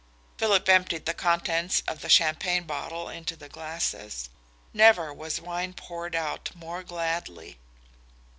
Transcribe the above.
Philip emptied the contents of the champagne bottle into the glasses. Never was wine poured out more gladly.